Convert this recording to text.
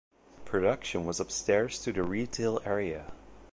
Production was upstairs to the retail area.